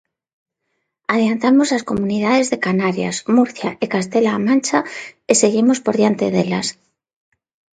Adiantamos ás comunidades de Canarias, Murcia e Castela-A Mancha, e seguimos por diante delas.